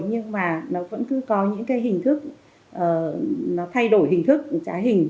nhưng mà nó vẫn cứ có những cái hình thức nó thay đổi hình thức trá hình